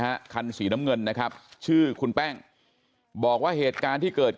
คันสีน้ำเงินนะครับชื่อคุณแป้งบอกว่าเหตุการณ์ที่เกิด